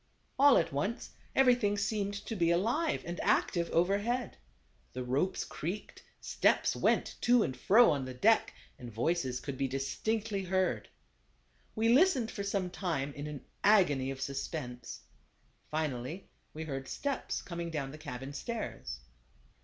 All at once everything seemed to be alive and active overhead. The ropes creaked, steps went to and fro on the deck, and voices could be dis tinctly heard. We listened for some time in an agony of suspense. Finally we heard steps coming down the cabin stairs.